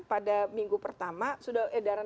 pada minggu pertama sudah edaran